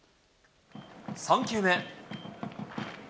３球目。